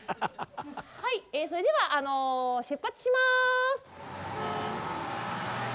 はいそれでは出発します。